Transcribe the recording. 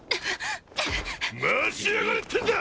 待ちやがれってんだ！